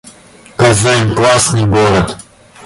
Казань — классный город